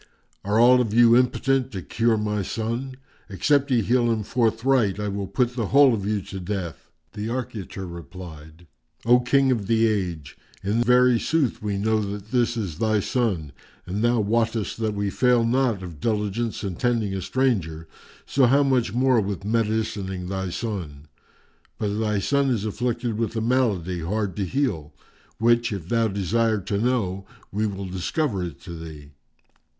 Are all of you impotent to cure my son? Except ye heal him forthright, I will put the whole of you to death." The Archiater replied, "O King of the Age, in very sooth we know that this is thy son and thou wottest that we fail not of diligence in tending a stranger; so how much more with medicining thy son? But thy son is afflicted with a malady hard to heal, which, if thou desire to know, we will discover it to thee."